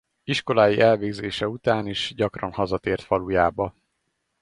Iskolái elvégzése után is gyakran hazatért falujába.